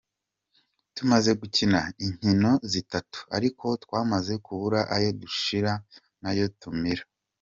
" Tumaze gukina inkino zitatu, ariko twamaze kubura ayo ducira n'ayo tumira.